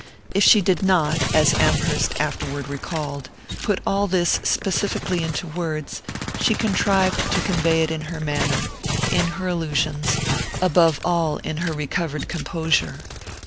If she did not as Amherst afterward recalled put all this specifically into words, she contrived to convey it in her manner, in her allusions, above all in her recovered composure.